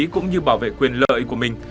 cũng như bảo vệ quyền lợi của mình